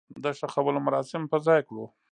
د خښولو مراسم په ځاى کړو.